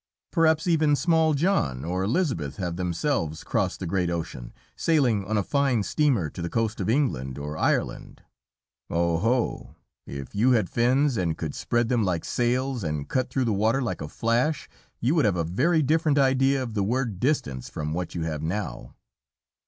Perhaps even small John or Elizabeth have themselves crossed the great ocean, sailing on a fine steamer to the coast of England or Ireland. Oho! if you had fins and could spread them like sails, and cut through the water like a flash, you would have a very different idea of the word "distance" from what you have now.